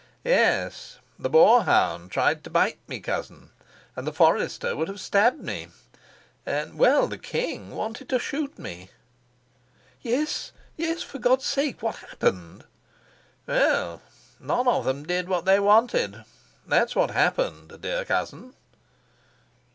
"Yes. The boar hound tried to bite me, cousin. And the forester would have stabbed me. And well, the king wanted to shoot me." "Yes, yes! For God's sake, what happened?" "Well, they none of them did what they wanted. That's what happened, dear cousin."